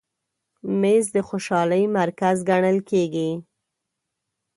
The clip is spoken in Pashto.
مېز د خوشحالۍ مرکز ګڼل کېږي.